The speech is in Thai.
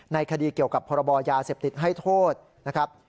คดีเกี่ยวกับพรบยาเสพติดให้โทษนะครับ